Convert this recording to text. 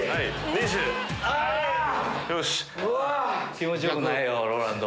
気持ちよくないよＲＯＬＡＮＤ。